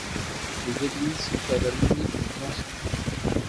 Ces églises sont à la limite du plan centré.